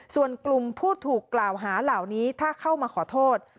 ส่วนกลุ่มผู้ถูกกล่าวหาเหล่านี้ถ้าเข้ามาขอโทษ